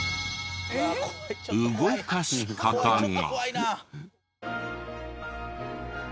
動かし方が。